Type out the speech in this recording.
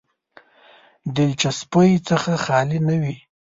دلچسپۍ څخه خالي نه وي.